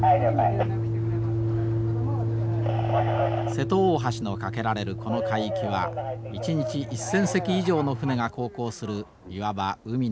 瀬戸大橋の架けられるこの海域は一日１，０００隻以上の船が航行するいわば海の銀座。